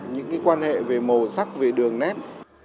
những quan hệ về màu sắc về đường nét